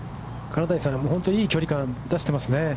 金谷さん、いい距離感を出していますね。